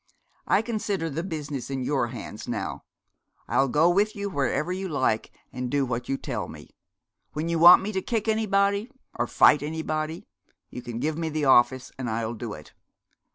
I consider the business in your hands now. I'll go with you wherever you like, and do what you tell me. When you want me to kick anybody, or fight anybody, you can give me the office and I'll do it.